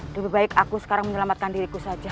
lebih baik aku sekarang menyelamatkan diriku saja